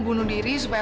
kek jadi rembako